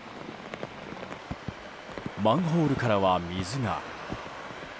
マンホールからは水が。